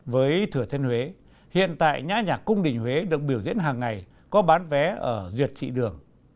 với thừa thiên huế hiện tại nhã nhạc cung đình huế được biểu diễn hàng ngày có bán vé ở duyệt thị đường